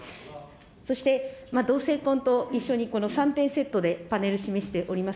そして、同性婚と一緒に、３点セットでパネル、示しております。